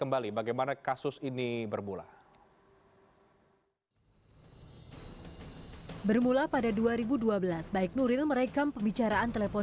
baik nuril merekam pembicaraan telepon